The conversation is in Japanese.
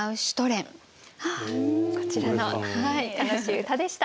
こちらの楽しい歌でした。